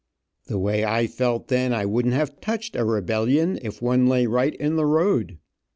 The way I felt then I wouldn't have touched a rebellion if one lay right in the road.